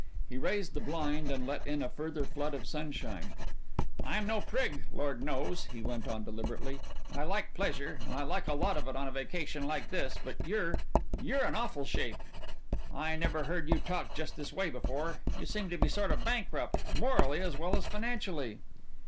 He raised the blind and let in a further flood of sunshine. "I'm no prig, Lord knows," he went on deliberately. "I like pleasure and I like a lot of it on a vacation like this, but you're you're in awful shape. I never heard you talk just this way before. You seem to be sort of bankrupt morally as well as financially."